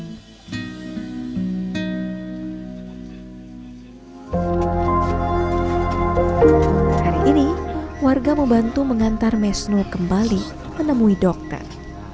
hari ini warga membantu mengantar mesno kembali menemui dokter